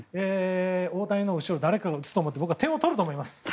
大谷の後ろ、誰かが打って点を取ると思います。